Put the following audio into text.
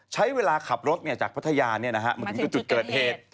ใช้เวลาขับรถเนี่ยจากพัทยาเนี่ยนะฮะมาถึงจุดเกิดเหตุ